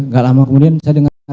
gak lama kemudian saya dengar